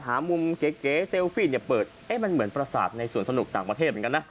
หามุมเก๋เซลฟี่เนี่ยเปิดเอ๊ะมันเหมือนประสาทในส่วนสนุกต่างประเทศเหมือนกันนะ